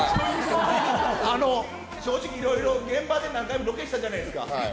正直、いろいろ現場で何回もロケしたじゃないですか。